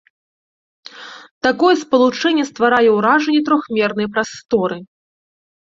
Такое спалучэнне стварае ўражанне трохмернай прасторы.